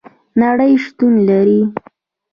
نړۍ شتون لري